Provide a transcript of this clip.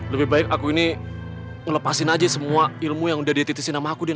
lebih baik aku ini ngelepasin aja semua ilmu yang udah dititisin sama aku deh